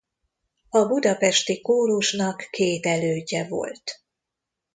A Budapesti Kórusnak két elődje volt.